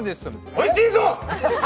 おいしいぞ！